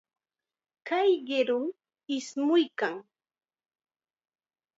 Kay qirum ismuykan.